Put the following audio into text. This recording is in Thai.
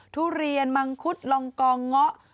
ทุเรียนมังคุดลองกองเงาะ